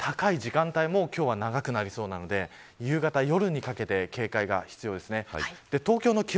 相変わらず、気温が高い時間帯も今日は長くなりそうなので夕方、夜にかけて警戒が必要ですね。